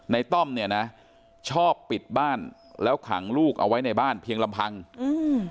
ต้อมเนี่ยนะชอบปิดบ้านแล้วขังลูกเอาไว้ในบ้านเพียงลำพังอืม